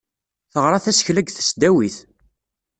Teɣra tasekla deg tesdawit.